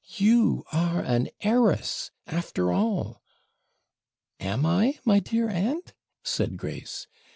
you are an heiress, after all.' 'Am I, my dear aunt?' said Grace.